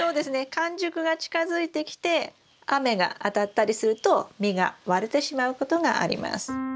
完熟が近づいてきて雨が当たったりすると実が割れてしまうことがあります。